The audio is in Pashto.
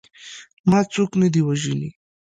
ما څوک نه دي وژلي.